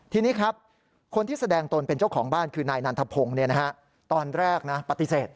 ทีนี้ครับคนที่แสดงตนเป็นเจ้าของบ้านคือนายนันทพงศ์ตอนแรกปฏิเสธ